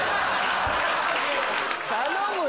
頼むよ。